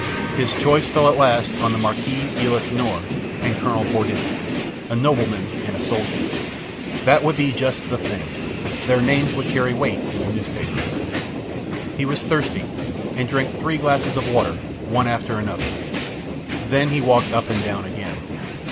His choice fell at last on the Marquis de la Tour Noire and Colonel Bourdin a nobleman and a soldier. That would be just the thing. Their names would carry weight in the newspapers. He was thirsty, and drank three glasses of water, one after another; then he walked up and down again.